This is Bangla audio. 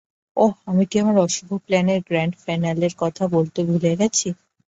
ওহ, আমি কি আমার অশুভ প্ল্যানের গ্র্যান্ড ফিনালের কথা বলতে ভুলে গিয়েছি?